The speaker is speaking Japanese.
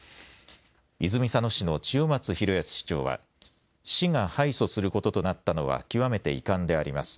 泉佐野市の千代松大耕市長は市が敗訴することとなったのは極めて遺憾であります。